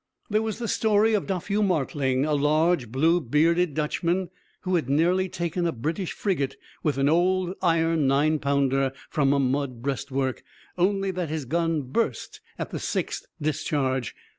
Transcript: There was the story of Doffue Martling, a large blue bearded Dutchman, who had nearly taken a British frigate with an old iron nine pounder from a mud breastwork, only that his gun burst at the sixth discharge.